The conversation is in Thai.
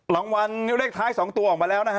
รางวัลเลขท้าย๒ตัวออกมาแล้วนะฮะ